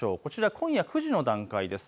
今夜９時の段階です。